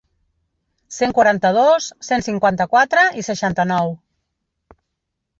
Cent quaranta-dos, cent cinquanta-quatre i seixanta-nou.